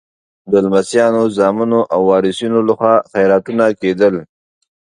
د لمسیانو، زامنو او وارثینو لخوا خیراتونه کېدل.